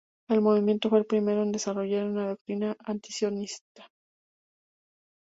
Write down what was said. El movimiento fue el primero en desarrollar una doctrina antisionista.